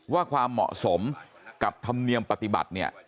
ว่าความเหมาะสมกับธรรมเนียมปฏิบัติเนี่ย